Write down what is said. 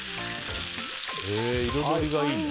彩りがいいね。